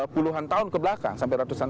puluhan tahun kebelakang sampai ratusan